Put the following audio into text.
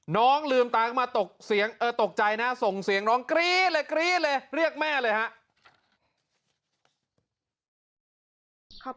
น้องลืมตาออกมาตกกรี๊ดเลยเรียกแม่เลยฮะ